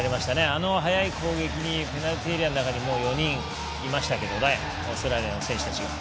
あの速い攻撃にペナルティーエリアの中にもう４人いましたけどねオーストラリアの選手たちが。